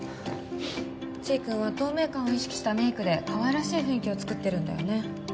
ちぃ君は透明感を意識したメイクでかわいらしい雰囲気をつくってるんだよね。